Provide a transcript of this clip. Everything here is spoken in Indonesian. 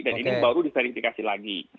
dan ini baru diverifikasi lagi